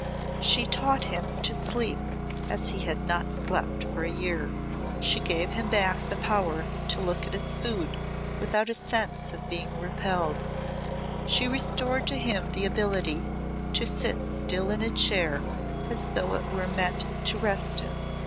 She taught him to sleep as he had not slept for a year; she gave him back the power to look at his food without a sense of being repelled; she restored to him the ability to sit still in a chair as though it were meant to rest in.